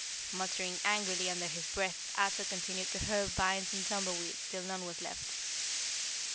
Muttering angrily under his breath, Ato continued to hurl vines and tumbleweeds till none was left.